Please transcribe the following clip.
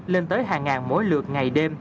lên tới hàng ngàn mỗi ngày